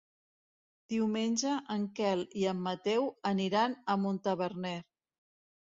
Diumenge en Quel i en Mateu aniran a Montaverner.